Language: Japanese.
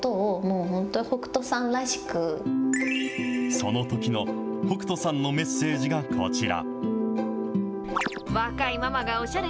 そのときの北斗さんのメッセージがこちら。